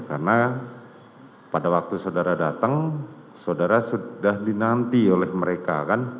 karena pada waktu saudara datang saudara sudah dinanti oleh mereka kan